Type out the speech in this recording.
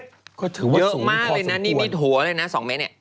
เยอะมากเลยนะนี่มีถัวเลยนะ๒เมตร